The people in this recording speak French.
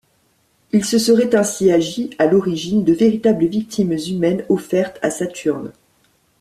Il se serait ainsi agi, à l'origine, de véritables victimes humaines offertes à Saturne.